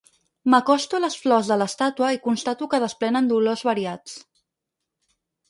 M'acosto a les flors de l'estàtua i constato que desprenen dolors variats.